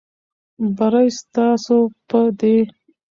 بری ستاسو په دی.